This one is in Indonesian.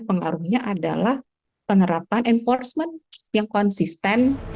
pengaruhnya adalah penerapan enforcement yang konsisten